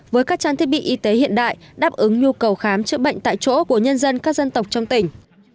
với các trang thiết bị y tế hiện đại đáp ứng nhu cầu khám chữa bệnh tại chỗ của nhân dân các dân tộc trong tỉnh